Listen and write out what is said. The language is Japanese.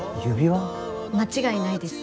間違いないです。